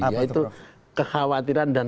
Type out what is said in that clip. yaitu kekhawatiran dan